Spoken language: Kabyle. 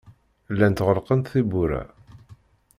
Llant ɣelqent tewwura.